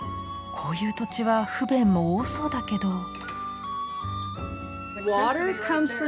こういう土地は不便も多そうだけど。